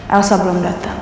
elsa belum datang